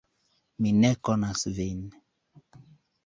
Mi ne konas vin.